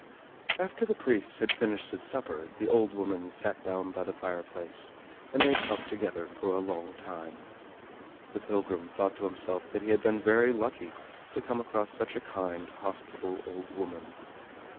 After the priest had finished his supper the old woman sat down by the fire place, and they talked together for a long time. The pilgrim thought to himself that he had been very lucky to come across such a kind, hospitable old woman.